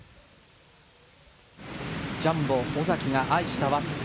ジャンボ尾崎が愛した輪厚。